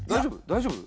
大丈夫？